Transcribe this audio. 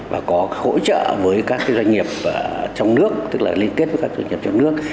và có hỗ trợ với các doanh nghiệp trong nước tức là liên kết với các doanh nghiệp trong nước